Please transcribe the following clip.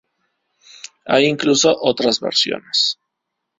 Hay incluso otras versiones.